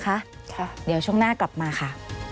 ค่ะเดี๋ยวช่วงหน้ากลับมาค่ะ